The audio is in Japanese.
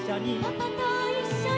「パパといっしょに」